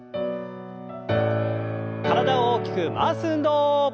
体を大きく回す運動。